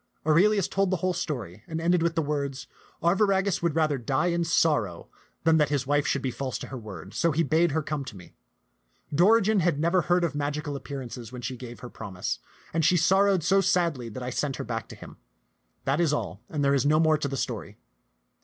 Aurelius told the whole story, and ended with the words, "Arviragus would rather die in sorrow than that his wife should be false to her word; so he bade her come to me. Dorigen had never heard of magical appearances when she gave her promise, and she sor rowed so sadly that I sent her back to him. That is all; there is no more to the story."